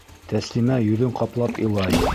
Тәслимә йөҙөн ҡаплап илай.